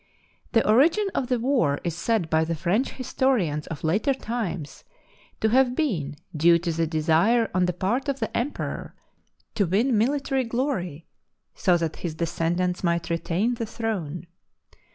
The origin of the war is said by the French his torians of later times to have been due to the desire on the part of the emperor to win military glory, THE BOOK OF FAMOUS SIEGES so that his descendants might retain the throne.